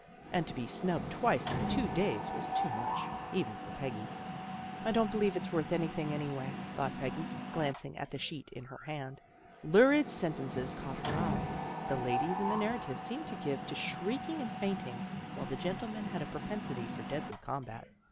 And to be snubbed twice in two days was too much, even for Peggy. " I don't believe it's worth anything any way," thought Peggy, glancing at the sheet in her hand. Lurid sentences caught her eye. The ladies in the narrative seemed given to shrieking and fainting, while the gentlemen had a propensity for deadly combat.